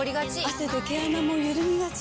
汗で毛穴もゆるみがち。